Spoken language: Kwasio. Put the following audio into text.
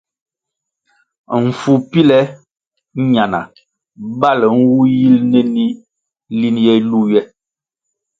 Mfu píle ñana bal nwu yil nénih lin ye lu ywe.